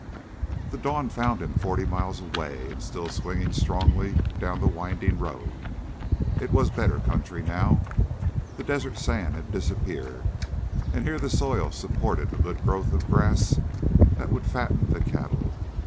The dawn found him forty miles away and still swinging strongly down the winding road. It was better country now. The desert sand had disappeared, and here the soil supported a good growth of grass that would fatten the cattle.